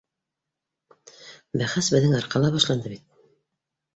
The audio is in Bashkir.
Бәхәс беҙҙең арҡала башланды бит.